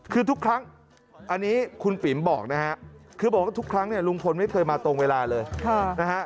คือทุกครั้งอันนี้คุณปิ๋มบอกนะฮะคือบอกว่าทุกครั้งเนี่ยลุงพลไม่เคยมาตรงเวลาเลยนะฮะ